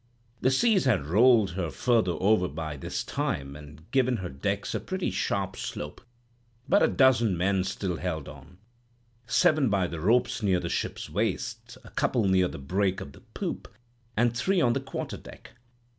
The seas had rolled her further over by this time, and given her decks a pretty sharp slope; but a dozen men still held on, seven by the ropes near the ship's waist, a couple near the break of the poop, and three on the quarterdeck.